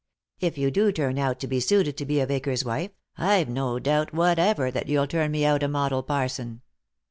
If you do turn out to be suited to be a vicar's wife, I've no doubt whatever that you'll turn me out a model parson."